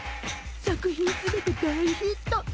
作品全て大ヒット。